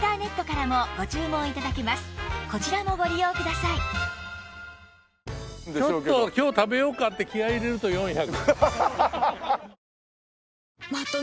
さらにちょっと今日食べようかって気合入れると４００。